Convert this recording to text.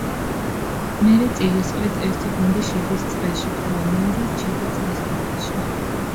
მერე წილის ყრით ერთი გუნდი შედის წრეში, ხოლო მეორე რჩება წრის გარეშე.